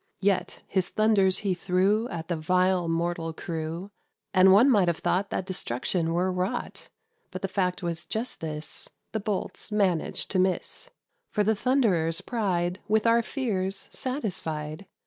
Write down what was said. Yet his thunders he threw At the vile mortal crew; And one might have thought That destruction were wrought; But the fact was just this The bolts managed to miss. For the Thund'rer's pride With our fear's satisfied.